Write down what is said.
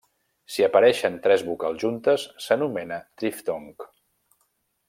Si apareixen tres vocals juntes, s'anomena triftong.